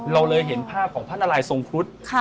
เราเลยเห็นภาพของพระนาลัยทรงครุฑ